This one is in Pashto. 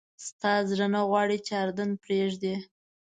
ستا زړه نه غواړي چې اردن پرېږدې.